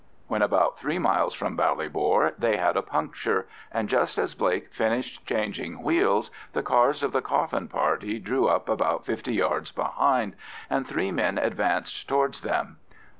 When about three miles from Ballybor they had a puncture, and just as Blake finished changing wheels, the cars of the coffin party drew up about fifty yards behind, and three men advanced towards them.